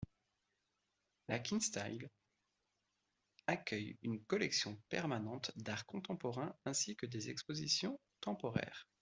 La Kunsthalle accueille une collection permanente d'art contemporain ainsi que des expositions temporaires.